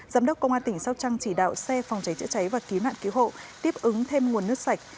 giám đốc công an tỉnh sóc trăng chỉ đạo xe phòng cháy chữa cháy và cứu nạn cứu hộ tiếp ứng thêm nguồn nước sạch